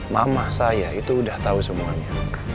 mama saya itu udah tahu semuanya